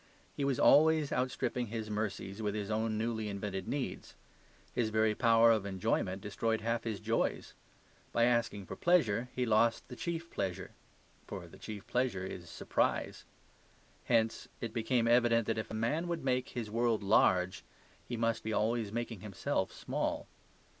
He was always outstripping his mercies with his own newly invented needs. His very power of enjoyment destroyed half his joys. By asking for pleasure, he lost the chief pleasure; for the chief pleasure is surprise. Hence it became evident that if a man would make his world large, he must be always making himself small.